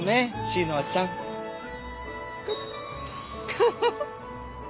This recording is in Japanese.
フフフ！